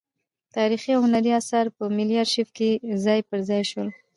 تاریخي او هنري اثار په ملي ارشیف کې ځای پر ځای شول.